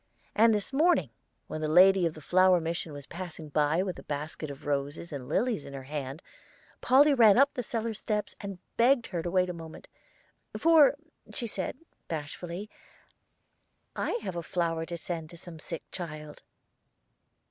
"And this morning, when the lady of the Flower Mission was passing by with a basket of roses and lilies in her hand, Polly ran up the cellar steps and begged her to wait a moment, 'For,' said she, bashfully, 'I have a flower to send to some sick child.'